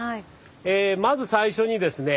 まず最初にですね